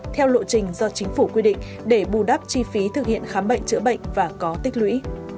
theo lộ trình do chính phủ quy định để bù đắp chi phí thực hiện khám bệnh chữa bệnh và có tích lũy